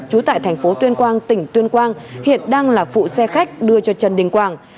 trú tại thành phố tuyên quang tỉnh tuyên quang hiện đang là phụ xe khách đưa cho trần đình quảng